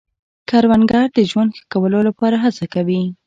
کروندګر د ژوند ښه کولو لپاره هڅه کوي